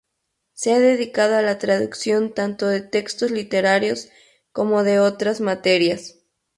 Se ha dedicado a la traducción tanto de textos literarios como de otras materias.